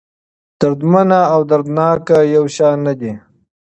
دردمنه او دردناکه يو شان نه دي.